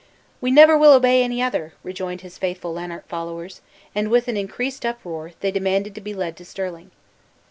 "We never will obey any other!" rejoined his faithful Lanark followers, and, with an increased uproar, they demanded to be led to Stirling.